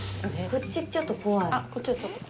こっち、ちょっと怖い。